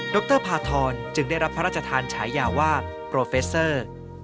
รพาทรจึงได้รับพระราชทานฉายาว่าโปรเฟสเซอร์